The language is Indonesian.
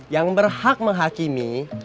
yang berhak menghakimi